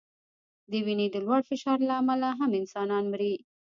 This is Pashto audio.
د وینې د لوړ فشار له امله هم انسانان مري.